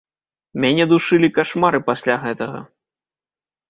Мяне душылі кашмары пасля гэтага.